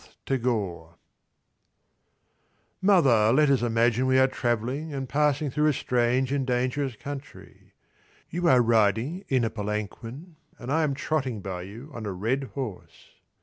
jpg] THE HERO Mother, let us imagine we are travelling, and passing through a strange and dangerous country. You are riding in a palanquin and I am trotting by you on a red horse.